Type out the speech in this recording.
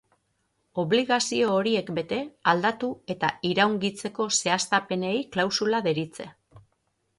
Obligazio horiek bete, aldatu eta iraungitzeko zehaztapenei klausula deritze.